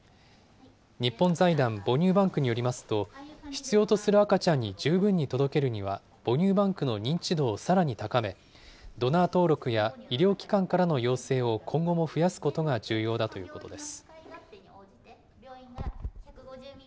日本財団母乳バンクによりますと、必要とする赤ちゃんに十分に届けるには、母乳バンクの認知度をさらに高め、ドナー登録や医療機関からの要請を今後も増やすことが重要だということです。